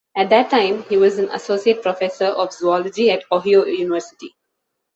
At that time, he was an associate professor of zoology at Ohio University.